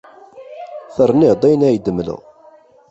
Terniḍ-d ayen ay d-mleɣ?